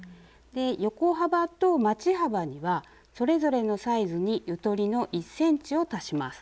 横幅とまち幅にはそれぞれのサイズにゆとりの１ｃｍを足します。